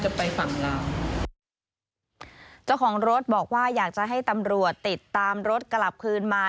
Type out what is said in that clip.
ไปฝั่งลาวเจ้าของรถบอกว่าอยากจะให้ตำรวจติดตามรถกลับคืนมา